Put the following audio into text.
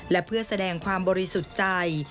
และเพื่อแสดงความบริสุทธิ์ใจ